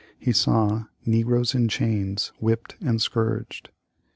He saw " negroes in chains — whipped and scourged."